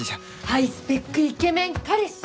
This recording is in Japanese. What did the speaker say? ハイスペックイケメン彼氏！